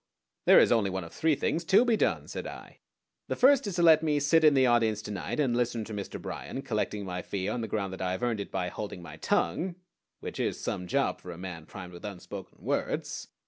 "There is only one of three things to be done," said I. "The first is to let me sit in the audience to night and listen to Mr. Bryan, collecting my fee on the ground that I have earned it by holding my tongue which is some job for a man primed with unspoken words.